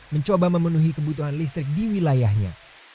mencoba memenuhi kebutuhan listrik di wilayahnya